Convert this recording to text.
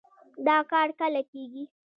دا کار کله کېږي؟